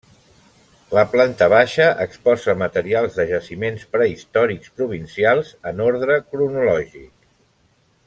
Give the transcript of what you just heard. La planta baixa exposa material de jaciments prehistòrics provincials en ordre cronològic.